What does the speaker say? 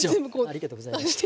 ありがとうございます。